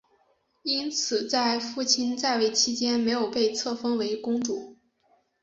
因此在父亲在位期间没有被册封为公主。